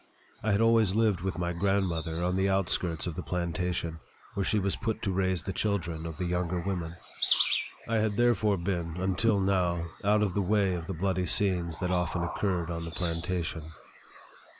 I had always lived with my grandmother on the outskirts of the plantation, where she was put to raise the children of the younger women. I had there fore been, until now, out of the way of the bloody scenes that often occurred on the plantation.